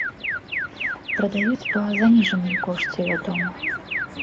Прадаюць па заніжаным кошце, вядома.